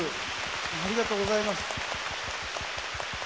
ありがとうございます。